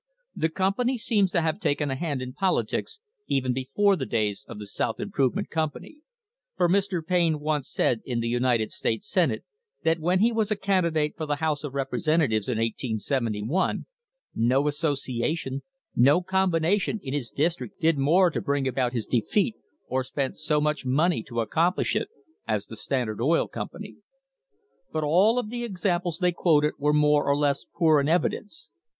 The company seems to have taken a hand in poli tics even before the days of the South Improvement Com pany, for Mr. Payne once said in the United States Senate that when he was a candidate for the House of Representa tives in 1871, "no association, no combination" in his district did more to bring about his defeat or spent so much money to accomplish it as the Standard Oil Company! * But all of the examples they quoted were more or less poor in evidence.